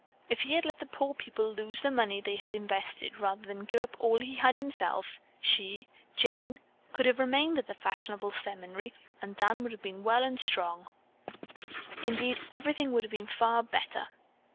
If he had let the poor people lose the money they had invested rather than give up all he had himself, she, Jane, could have remained at the fashionable seminary and Dan would have been well and strong. Indeed everything would have been far better.